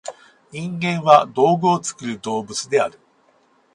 人間は「道具を作る動物」である。